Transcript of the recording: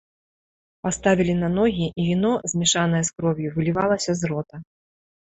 Паставілі на ногі, і віно, змешанае з кроўю, вылівалася з рота.